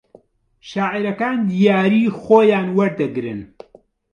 شاعیرەکان دیاریی خۆیان وەردەگرن